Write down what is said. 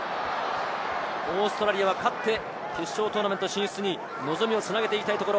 オーストラリアは勝って決勝トーナメント進出に望みを繋げていきたいところ。